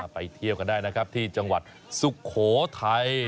ไปเที่ยวกันได้นะครับที่จังหวัดสุโขทัย